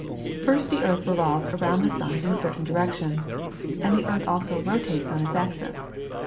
First the earth revolves around the sun in a certain direction, and the earth also rotates on its axis.